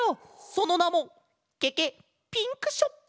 そのなもケケッピンクショップ！